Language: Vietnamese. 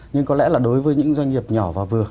nhưng có lẽ là đối với những doanh nghiệp nhỏ và vừa